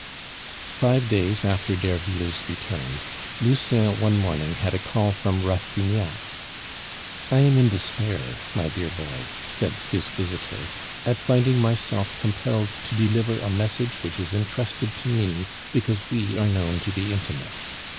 Five days after Derville's return, Lucien one morning had a call from Rastignac. "I am in despair, my dear boy," said his visitor, "at finding myself compelled to deliver a message which is intrusted to me because we are known to be intimate.